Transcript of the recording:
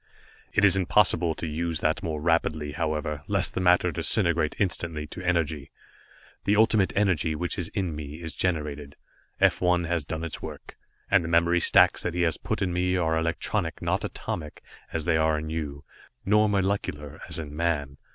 "It is impossible to use that more rapidly, however, lest the matter disintegrate instantly to energy. The Ultimate Energy which is in me is generated. F 1 has done its work, and the memory stacks that he has put in me are electronic, not atomic, as they are in you, nor molecular as in man.